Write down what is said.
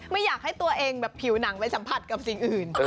ไม่อยากให้ตัวเองแบบผิวหนังไปสัมผัสกับสิ่งอื่น